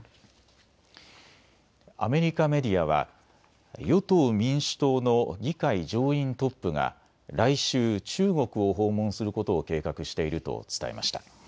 アメリカメディアは与党・民主党の議会上院トップが来週、中国を訪問することを計画していると伝えました。